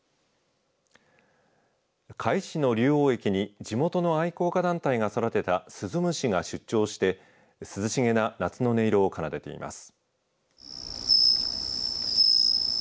甲斐市の竜王駅に地元の愛好家団体が育てたスズムシが出張して涼しげな夏の音色を奏でています。